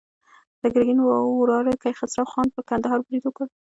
د ګرګین وراره کیخسرو خان پر کندهار برید وکړ.